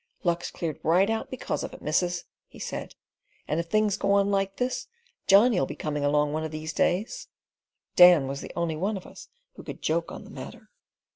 "Luck's cleared right out because of it, missus," he said; "and if things go on like this Johnny'll be coming along one of these days." (Dan was the only one of us who could joke on the matter.)